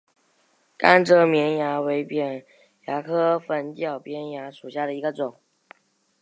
甘蔗绵蚜为扁蚜科粉角扁蚜属下的一个种。